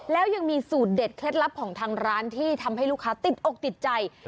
แล้วยังมีสูตรเด็ดเคล็ดลับของทางร้านที่ทำให้ลูกค้าติดอกติดใจ